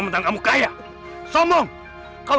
dan juga icah